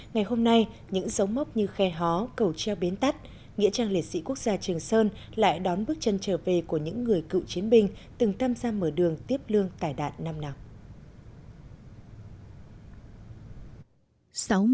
ngày hôm nay những dấu mốc như khe hó cầu treo bến tắt nghĩa trang liệt sĩ quốc gia trường sơn lại đón bước chân trở về của những người cựu chiến binh từng tăm ra mở đường tiếp lương tải đạn năm nào